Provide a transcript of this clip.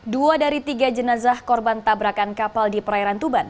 dua dari tiga jenazah korban tabrakan kapal di perairan tuban